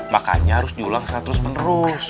makanya harus diulang secara terus menerus